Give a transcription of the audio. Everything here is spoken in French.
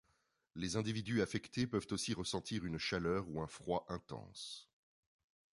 Les individus affectés peuvent aussi ressentir une chaleur ou un froid intense.